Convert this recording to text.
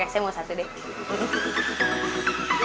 masa dulu saya mau makan kue balok